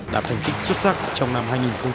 đạt thành kích xuất sắc trong năm hai nghìn một mươi bảy